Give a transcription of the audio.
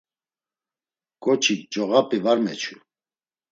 K̆oçik coğap̌i var meçu.